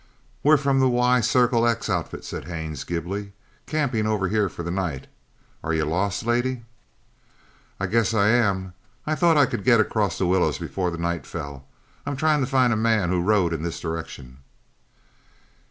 "We're from the Y Circle X outfit," said Haines glibly, "camping over here for the night. Are you lost, lady?" "I guess I am. I thought I could get across the willows before the night fell. I'm trying to find a man who rode in this direction."